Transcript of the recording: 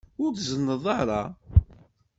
Ur tzunneḍ ara.